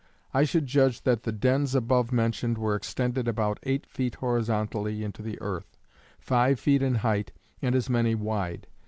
I should judge that the dens above mentioned were extended about eight feet horizontally into the earth, five feet in height and as many wide.